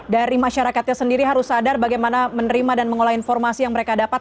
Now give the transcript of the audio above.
dari masyarakatnya sendiri harus sadar bagaimana menerima dan mengolah informasi yang mereka dapat